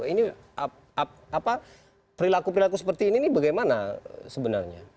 ini perilaku perilaku seperti ini bagaimana sebenarnya